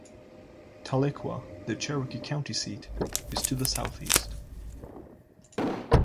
Tahlequah, the Cherokee County seat, is to the southeast.